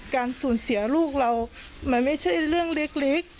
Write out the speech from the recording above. การสูญเสียลูกเรามันไม่ใช่เรื่องเล็ก